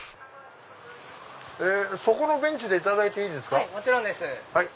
そこのベンチでいただいていい？